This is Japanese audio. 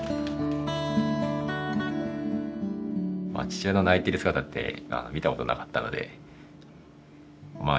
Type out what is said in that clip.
父親の泣いてる姿って見たことがなかったのでまあ